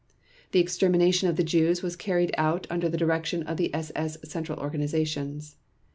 The extermination of the Jews was carried out under the direction of the SS Central Organizations.